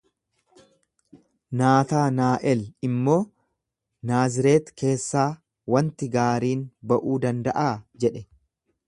Naataanaa'el immoo, Naazireet keessaa wanti gaariin ba'uu danda'aa jedhe.